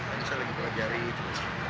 ini saya lagi belajar itu